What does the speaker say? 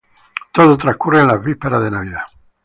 Todo transcurre en la víspera de Navidad.